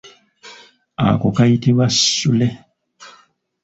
Ako kayitibwa ssule.